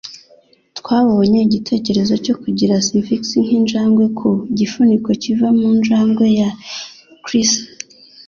Twabonye igitekerezo cyo kugira sphinx nk'injangwe ku gifuniko kiva mu njangwe ya Chris.